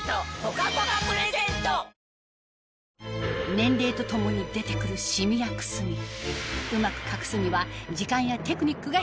年齢とともに出てくるシミやくすみうまく隠すには時間やテクニックが必要